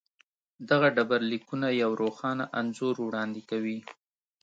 دغه ډبرلیکونه یو روښانه انځور وړاندې کوي.